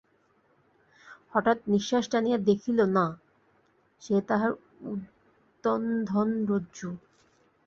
হঠাৎ নিশ্বাস টানিয়া দেখিল, না, সে তাহার উদ্বন্ধনরজ্জু।